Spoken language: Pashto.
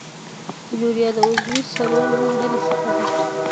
یوریا د عضوي سرو له ډلې څخه ده.